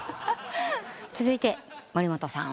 続いて森本さん